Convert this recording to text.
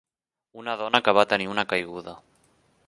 Una dona que va tenir una caiguda.